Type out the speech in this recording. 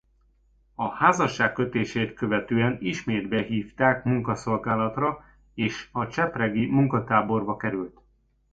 A házasságkötését követően ismét behívták munkaszolgálatra és a csepregi munkatáborba került.